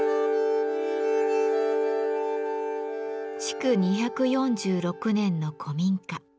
築２４６年の古民家。